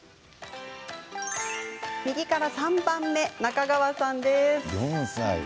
右から３番目、中川さんです。